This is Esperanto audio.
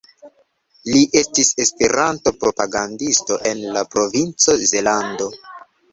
Li estis Esperanto-propagandisto en la provinco Zelando.